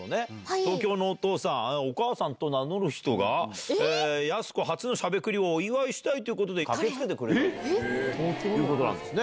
東京のお父さん、お母さんと名乗る人が、やす子初のしゃべくりをお祝いしたいということで駆けつけてくれたと。ということなんですね。